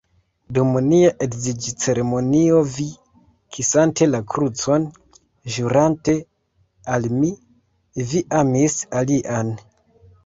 Dum nia edziĝceremonio vi, kisante la krucon, ĵurante al mi, vi amis alian.